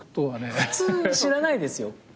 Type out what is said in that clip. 普通知らないですよ。